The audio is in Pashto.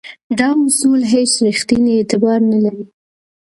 دا اصول هیڅ ریښتینی اعتبار نه لري.